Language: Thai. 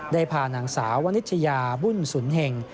ได้พาหนังสาววานิชยาบุ่นสุนเหง